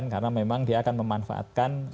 karena memang dia akan memanfaatkan